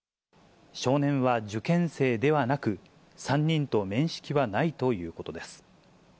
少年は受験生ではなく、３人と面識はないということです。